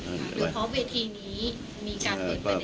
หรือพอเวทีนี้มีการเป็นประเด็น